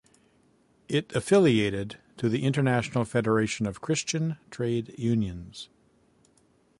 It affiliated to the International Federation of Christian Trade Unions.